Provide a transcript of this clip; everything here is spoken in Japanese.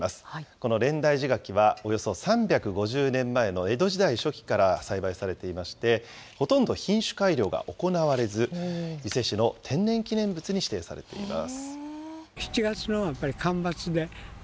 この蓮台寺柿は、およそ３５０年前の江戸時代初期から栽培されていまして、ほとんど品種改良が行われず、伊勢市の天然記念物に指定されています。